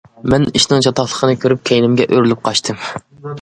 مەن ئىشنىڭ چاتاقلىقىنى كۆرۈپ كەينىمگە ئۆرۈلۈپ قاچتىم.